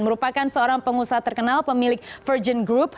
merupakan seorang pengusaha terkenal pemilik virgin group